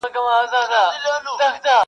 نه تر څوکو سوای د ونو الوتلای-